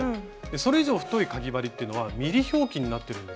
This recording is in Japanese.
それ以上太いかぎ針っていうのはｍｍ表記になってるんです。